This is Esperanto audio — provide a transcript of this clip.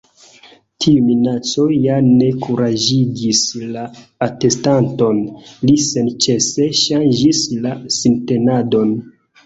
Tiu minaco ja ne kuraĝigis la atestanton. Li senĉese ŝanĝis la sintenadon.